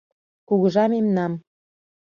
Кугыжа мемнам